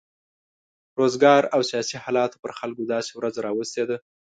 روزګار او سیاسي حالاتو پر خلکو داسې ورځ راوستې ده.